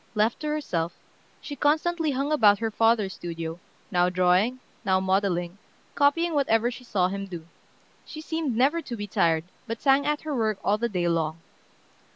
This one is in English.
Left to herself, she constantly hung about her father's studio, now drawing, now modeling, copying whatever she saw him do. She seemed never to be tired, but sang at her work all the day long.